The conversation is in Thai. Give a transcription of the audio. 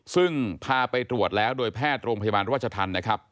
ซึ่งพาไปตรวจแล้วโดยแพทย์โรงพยาบาลราชธรรมนะครับ